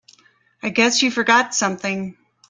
I guess you forgot something.